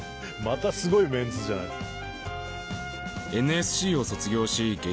「またすごいメンツじゃないですか」